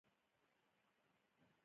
مصنوعي ځیرکتیا د کار وېش بدلوي.